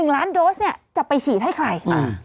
๑ล้านโดสเนี่ยจะไปฉีดให้ใคร